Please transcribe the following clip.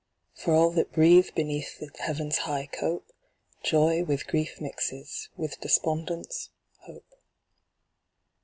For all that breathe beneath the heaven's high cope, Joy with grief mixes, with despondence hope.